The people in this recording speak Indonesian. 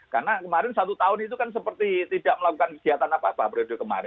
karena kemarin satu tahun itu kan seperti tidak melakukan kegiatan apa apa